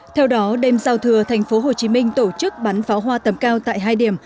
theo đó đêm giao thừa tp hcm tổ chức bắn pháo hoa tầm cao tại hai điểm